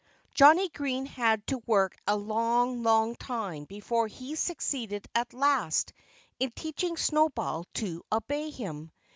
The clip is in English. Johnnie Green had to work a long, long time before he succeeded at last in teaching Snowball to obey him.